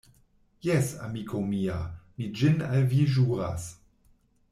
Jes, amiko mia, mi ĝin al vi ĵuras.